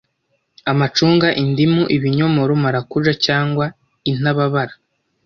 Amacunga, indimu, ibinyomoro, marakuja cyangwa intababara,